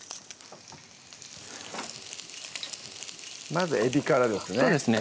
まずえびからですね